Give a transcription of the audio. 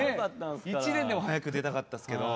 １年でも早く出たかったっすけど。